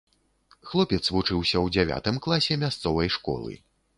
Хлопец вучыўся ў дзявятым класе мясцовай школы.